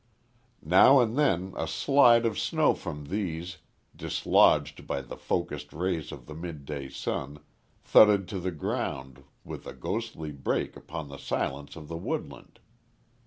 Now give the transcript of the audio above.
Now and then a slide of snow from these, dislodged by the focussed rays of the midday sun, thudded to the ground, with a ghostly break upon the silence of the woodland.